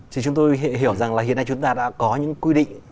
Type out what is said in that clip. thì chúng tôi hiểu rằng là hiện nay chúng ta đã có những quy định